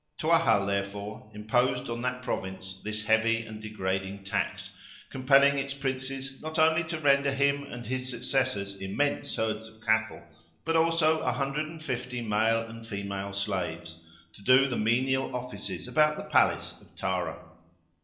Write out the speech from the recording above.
Tuathal, therefore, imposed on that Province this heavy and degrading tax, compelling its Princes not only to render him and his successors immense herds of cattle, but also 150 male and female slaves, to do the menial offices about the palace of Tara.